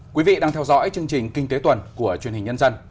quý vị đang theo dõi chương trình kinh tế tuần của truyền hình nhân dân